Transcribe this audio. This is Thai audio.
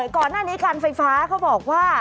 ก่อนหน้านี้การไฟฟ้าเขาบอกว่า